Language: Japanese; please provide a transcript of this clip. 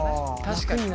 確かに。